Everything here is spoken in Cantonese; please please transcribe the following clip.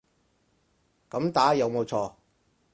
噉打有冇錯